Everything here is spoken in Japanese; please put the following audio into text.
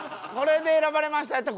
これで選ばれました